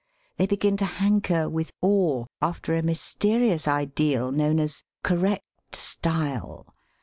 They begin to hanker, with awe, after a mysterious ideal known as "correct style.